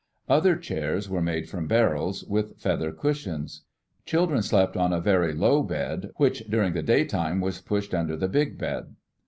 Other chairs were made from barrels, with feather cushions. Children slept on a very low bed, which during the daytime was pushed under the big bed.